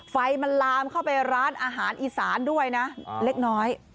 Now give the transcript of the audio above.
ไฟมันลามเข้าไปร้านอาหารอีสานด้วยนะเล็กน้อย